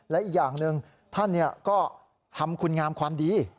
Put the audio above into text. และอีกอย่างหนึ่งท่านก็ทำคุณงามความดี